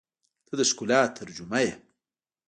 • ته د ښکلا ترجمه یې.